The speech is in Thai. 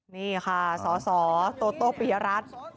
นี่ค่ะสอโตโตปิรัติ